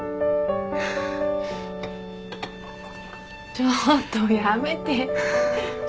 ちょっとやめて。